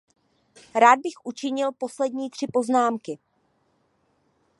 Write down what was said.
Rád bych učinil poslední tři poznámky.